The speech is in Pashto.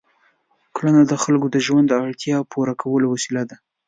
کرنه د خلکو د ژوند د اړتیاوو پوره کولو وسیله ده.